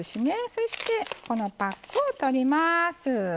そしてこのパックを取ります。